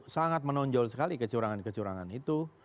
sangat menonjol sekali kecurangan kecurangan itu